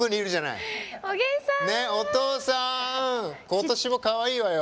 今年もかわいいわよ。